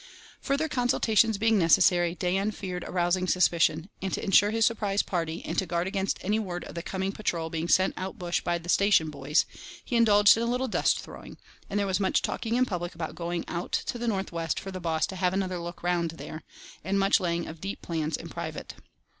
Further consultations being necessary, Dan feared arousing suspicion, and to ensure his surprise party, and to guard against any word of the coming patrol being sent out bush by the station "boys," he indulged in a little dust throwing, and there was much talking in public about going "out to the north west for the boss to have another look round there," and much laying of deep plans in private.